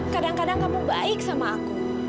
kadang kadang kamu baik sama aku